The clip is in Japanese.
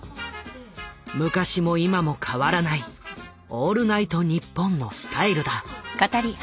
昔も今も変わらない「オールナイトニッポン」のスタイルだ。